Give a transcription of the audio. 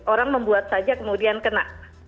orang membuat saja kemudian kena